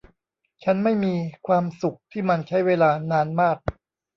ฉันไม่มีความสุขที่มันใช้เวลานานมาก